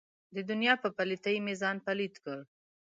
دنیا په پلیتۍ مې ځان پلیت کړ.